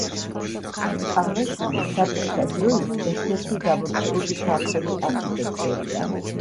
ყავლაშვილი საბჭოთა დროის ერთ-ერთი გამორჩეული ქართველი არქიტექტორია.